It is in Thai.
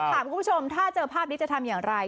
คุณผู้ชมถ้าเจอภาพนี้จะทำอย่างไร